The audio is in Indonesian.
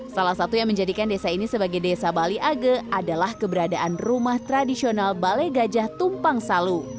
salah satu yang menjadikan desa ini sebagai desa bali age adalah keberadaan rumah tradisional balai gajah tumpang salu